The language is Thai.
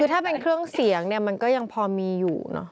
คือถ้าเป็นเครื่องเสียงเนี่ยมันก็ยังพอมีอยู่เนอะ